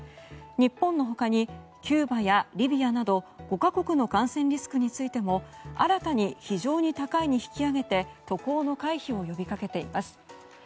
日本の他にキューバやリビアなど５か国の感染リスクについても新たに非常に高いに引き上げて渡航の回避を呼び掛けています。